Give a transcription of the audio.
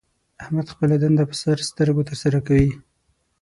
احمد خپله دنده په سر سترګو تر سره کوي.